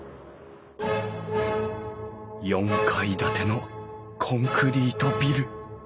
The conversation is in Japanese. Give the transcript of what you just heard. ４階建てのコンクリートビル！